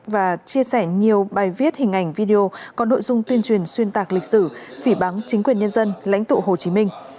và chia sẻ nhiều bài viết hình ảnh video có nội dung tuyên truyền xuyên tạc lịch sử phỉ bắn chính quyền nhân dân lãnh tụ hồ chí minh